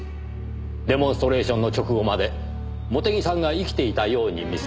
デモンストレーションの直後まで茂手木さんが生きていたように見せかけるため。